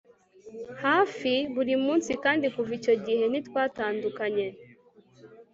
hafi buri munsi kandi kuva icyo gihe ntitwatandukanye